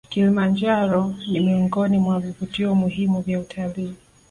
kilimanjaro ni miongoni mwa vivutio muhimu vya utalii